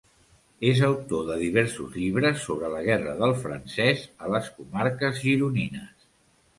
És autor de diversos llibres sobre la guerra del francès a les comarques gironines.